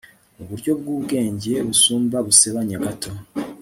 Muburyo bwubwenge busumba busebanya gato